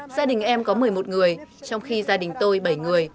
gia đình em có một mươi một người trong khi gia đình tôi bảy người